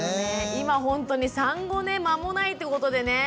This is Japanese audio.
今ほんとに産後ね間もないってことでね。